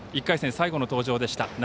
１回戦、最後の登場でした。